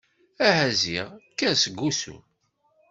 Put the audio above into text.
Aha ziɣ kker seg wusu!